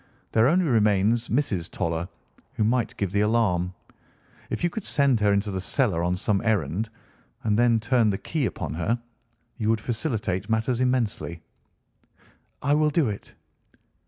There only remains Mrs. Toller, who might give the alarm. If you could send her into the cellar on some errand, and then turn the key upon her, you would facilitate matters immensely." "I will do it."